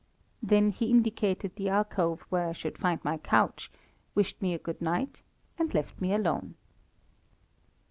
Then he indicated the alcove where I should find my couch, wished me a good night, and left me alone.